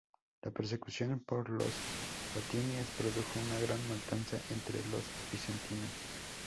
La persecución por los fatimíes produjo una gran matanza entre los bizantinos.